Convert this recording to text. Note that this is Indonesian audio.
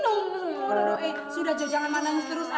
oh sudah cukup jangan malam mr rose